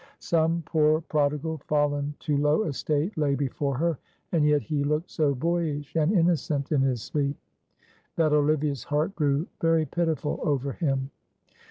Some poor prodigal fallen to low estate lay before her, and yet he looked so boyish and innocent in his sleep, that Olivia's heart grew very pitiful over him.